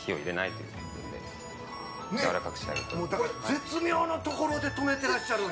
絶妙なところで止めていらっしゃる。